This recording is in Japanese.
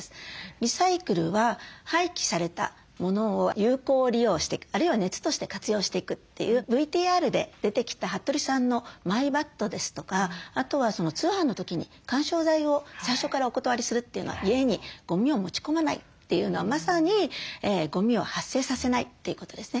リサイクルは廃棄されたものを有効利用していくあるいは熱として活用していくというＶＴＲで出てきた服部さんのマイバットですとかあとは通販の時に緩衝材を最初からお断りするというのは家にゴミを持ち込まないというのはまさにゴミを発生させないということですね。